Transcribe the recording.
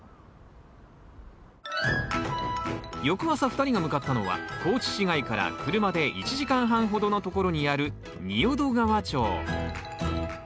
翌朝２人が向かったのは高知市街から車で１時間半ほどの所にある仁淀川町